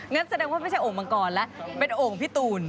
งั้นแสดงว่าไม่ใช่โอ่งมังกรแล้วเป็นโอ่งพี่ตูน